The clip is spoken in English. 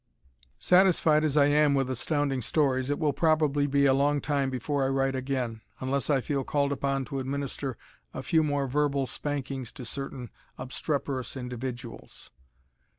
Satisfied as I am with Astounding Stories it will probably be a long time before I write again unless I feel called upon to administer a few more verbal spankings to certain obstreperous individuals!